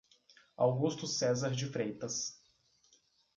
Augusto Cesar de Freitas